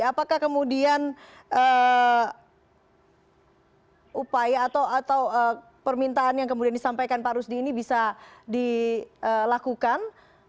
apakah kemudian upaya atau permintaan yang kemudian disampaikan pak rusdi ini bisa dilakukan